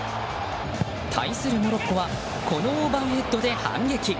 対するモロッコはオーバーヘッドで反撃。